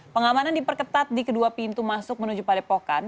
pengamanan diperketat di kedua pintu masuk menuju padepokan